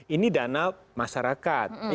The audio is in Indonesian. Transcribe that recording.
ini dana masyarakat